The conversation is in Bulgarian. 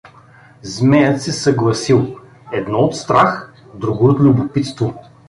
Змеят се съгласил, едно — от страх, друго — от любопитство.